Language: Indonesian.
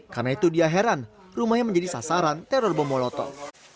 karena itu dia heran rumahnya menjadi sasaran teror bom molotov